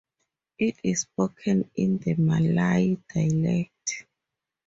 It is spoken in the Malay dialect.